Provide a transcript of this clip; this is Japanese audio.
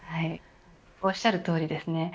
おっしゃるとおりです。